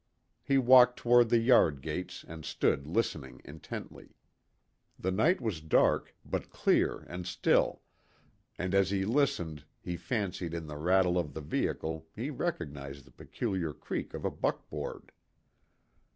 He walked toward the yard gates and stood listening intently. The night was dark, but clear and still, and as he listened he fancied in the rattle of the vehicle he recognized the peculiar creak of a buckboard.